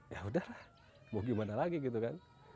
yaudah lah mau gimana lagi gitu kan